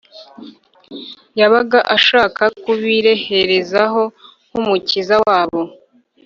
yabaga ashaka kubireherezaho nk’umukiza wabo